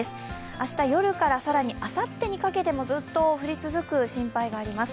明日夜から更にあさってにかけてもずっと降り続く心配があります。